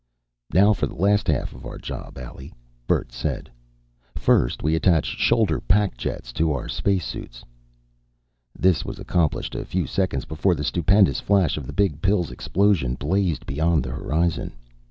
"Now for the last half of our job, Allie," Bert said. "First we attach shoulder pack jets to our spacesuits." This was accomplished a few seconds before the stupendous flash of the Big Pill's explosion blazed beyond the horizon.